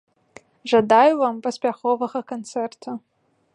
Жадаю вам паспяховага канцэрту!